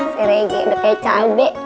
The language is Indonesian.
serege udah kayak cabe